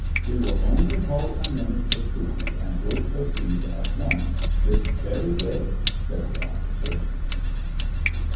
" We will only halt a minute for food, and will proceed at once, this very day," said the officer.